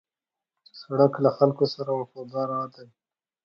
سړک له خلکو سره وفاداره دی.